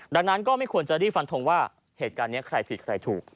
ดังนั้นก็ไม่ควรจะรีบฟันทงว่าเหตุการณ์นี้ใครผิดใครถูก